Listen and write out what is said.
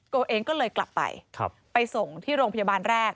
ตัวเองก็เลยกลับไปไปส่งที่โรงพยาบาลแรก